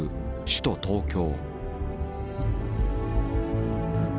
首都東京。